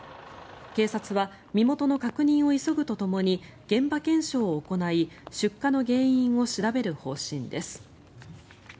警察は身元の確認を急ぐとともに現場検証を行い出火の原因を調べる方針です。